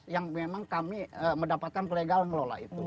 yang memang kami mendapatkan kelegal melola itu